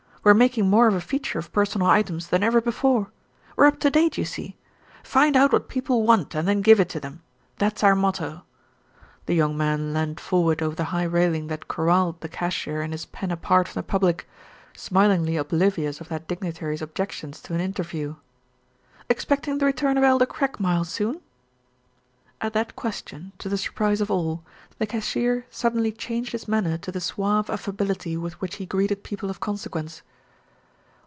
We're making more of a feature of personal items than ever before. We're up to date, you see. 'Find out what people want and then give it to them.' That's our motto." The young man leaned forward over the high railing that corralled the cashier in his pen apart from the public, smilingly oblivious of that dignitary's objections to an interview. "Expecting the return of Elder Craigmile soon?" At that question, to the surprise of all, the cashier suddenly changed his manner to the suave affability with which he greeted people of consequence.